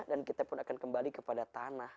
dan kita pun akan kembali kepada tanah